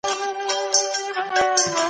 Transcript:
ګرګين خان کوم ځای ته د والي په توګه راغی؟